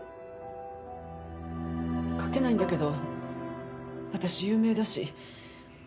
書けないんだけどわたし有名だし。